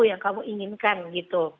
kalau inginkan gitu